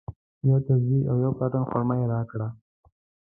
یوه تسبیج او یو کارټن خرما یې راکړل.